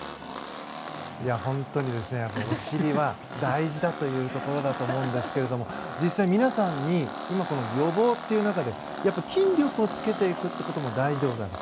本当にお尻は大事だというところだと思うんですけど実際、皆さんに今この予防という中で筋力をつけていくということも大事でございます。